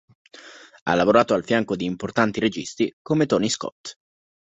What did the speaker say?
Ha lavorato al fianco di importanti registi come Tony Scott.